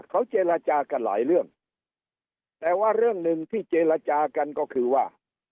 เขาเจรจากันหลายเรื่องแต่ว่าเรื่องหนึ่งที่เจรจากันก็คือว่า